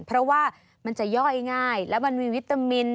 เพราะว่ามันจะย่อยง่ายแล้วมันมีวิตามิน